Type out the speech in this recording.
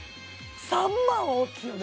３万は大きいよね